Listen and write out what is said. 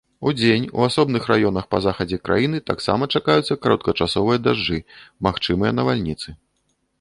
Удзень у асобных раёнах па захадзе краіны таксама чакаюцца кароткачасовыя дажджы, магчымыя навальніцы.